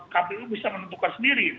kpu bisa menentukan sendiri